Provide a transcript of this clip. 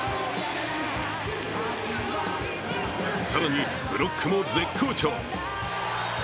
更にブロックも絶好調。